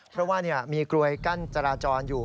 เพราะว่ามีกลวยกั้นจราจรอยู่